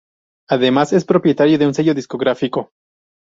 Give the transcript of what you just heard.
Además es propietario de un sello discográfico.